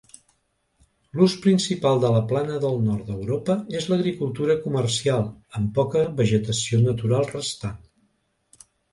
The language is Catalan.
L'ús principal de la plana del nord d'Europa és l'agricultura comercial, amb poca vegetació natural restant.